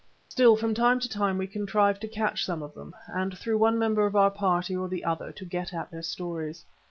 Still from time to time we contrived to catch some of them, and through one member of our party or the other to get at their stories.